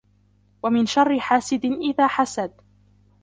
ومن شر حاسد إذا حسد